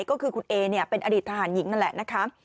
ก็คือคุณเอเป็นอดีตทหารหญิงนั่นแหละนะคะ